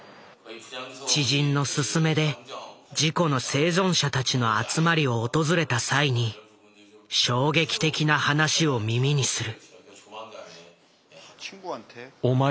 知人の勧めで事故の生存者たちの集まりを訪れた際に衝撃的な話を耳にする。